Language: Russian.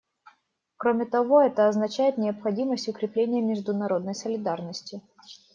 Кроме того, это означает необходимость укрепления международной солидарности.